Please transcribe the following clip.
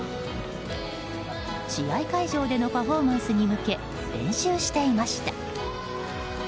試合会場でのパフォーマンスに向け練習していました。